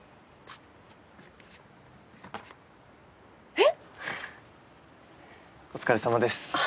えっ⁉お疲れさまです。